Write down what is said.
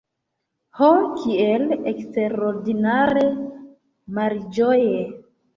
Ho, kiel eksterordinare malĝoje!